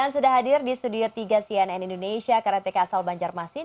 terhadir di studio tiga cnn indonesia karateka asal banjarmasin